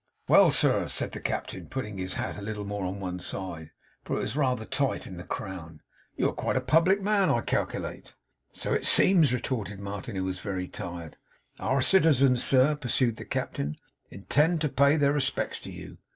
'Well, sir!' said the Captain, putting his hat a little more on one side, for it was rather tight in the crown: 'You're quite a public man I calc'late.' 'So it seems,' retorted Martin, who was very tired. 'Our citizens, sir,' pursued the Captain, 'intend to pay their respects to you.